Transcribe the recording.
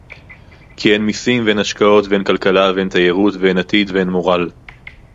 כי אין מסים ואין השקעות ואין כלכלה ואין תיירות ואין עתיד ואין מורל